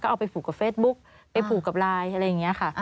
เอาไปผูกกับเฟซบุ๊กไปผูกกับไลน์อะไรอย่างนี้ค่ะ